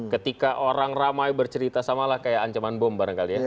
ketika orang ramai bercerita samalah kayak ancaman bom barangkali ya